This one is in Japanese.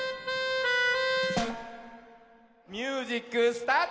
ミュージックスタート！